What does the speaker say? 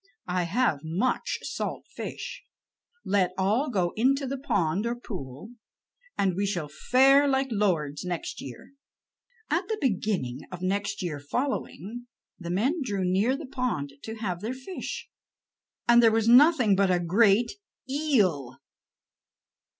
"I have much salt fish. Let all go into the pond or pool, and we shall fare like lords next year." At the beginning of next year following, the men drew near the pond to have their fish, and there was nothing but a great eel.